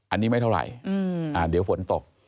อันนี้ไม่เท่าไหร่เดี๋ยวฝนตก